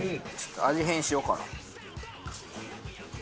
味変しようかな。